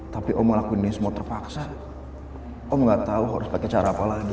tapi om ngelakuin ini semua terpaksa om gak tau harus pake cara apa lagi